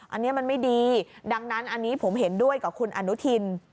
อันนี้มันไม่ดีดังนั้นอันนี้ผมเห็นด้วยกับคุณอนุทิน